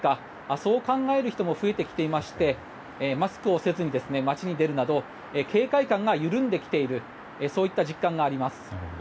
そう考える人も増えてきていましてマスクをせずに街に出るなど警戒感が緩んできているそういった実感があります。